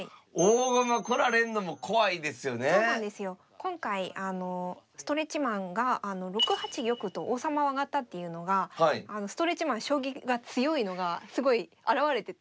今回ストレッチマンが６八玉と王様を上がったっていうのがストレッチマン将棋が強いのがすごい表れてて。